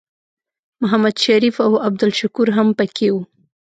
محمد شریف او عبدالشکور هم پکې وو.